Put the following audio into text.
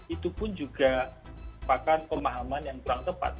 itu pun juga merupakan pemahaman yang kurang tepat